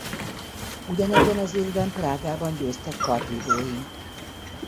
Ugyanebben az évben Prágában győztek kardvívóink.